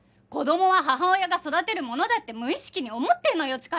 子供は母親が育てるものだって無意識に思ってんのよ